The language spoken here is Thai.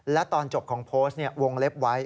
และตอนจบของโพสต์วงเล็บไว้